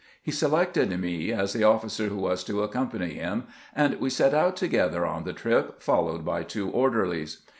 He selected me as the officer who was to accompany him, and we set out to gether on the trip, followed by two orderlies.